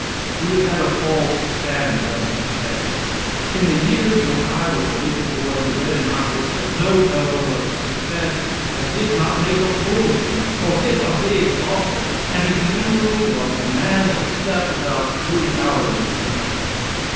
We have had a false standard of success. In the years when I was a little boy we read in our books that no fellow was a success that did not make a fortune or get a big office, and he generally was a man that slept about three hours a night.